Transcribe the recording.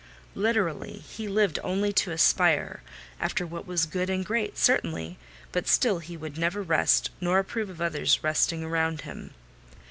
Literally, he lived only to aspire—after what was good and great, certainly; but still he would never rest, nor approve of others resting round him.